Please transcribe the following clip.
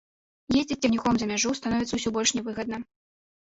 Ездзіць цягніком за мяжу становіцца ўсё больш не выгадна.